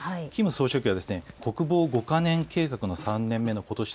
総書記は国防５か年計画の３年目のことし